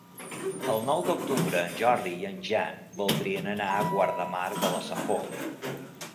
El nou d'octubre en Jordi i en Jan voldrien anar a Guardamar de la Safor.